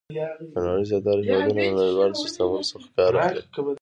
د نړۍ زیاتره هېوادونه له نړیوالو سیسټمونو څخه کار اخلي.